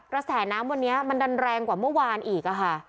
แสน้ำวันนี้มันดันแรงกว่าเมื่อวานอีกค่ะ